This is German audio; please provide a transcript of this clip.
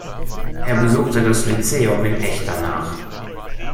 Er besuchte das Lyzeum in Echternach.